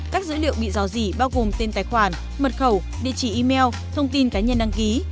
các dữ liệu bị dò dỉ bao gồm tên tài khoản mật khẩu địa chỉ email thông tin cá nhân đăng ký